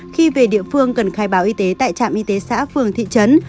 khi về địa phương cần khai báo y tế tại trạm y tế xã phường thị trấn